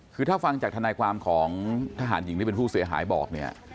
คือถ้าฟังจากทนายความของทหารหญิงที่เป็นผู้เสียหายบอกเนี่ย